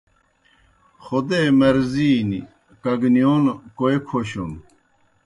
خودے مرضی نیْ، کگنِیون کوئے کھوْشُن